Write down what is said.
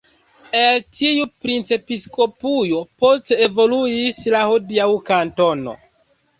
El tiu princepiskopujo poste evoluis la hodiaŭa kantono.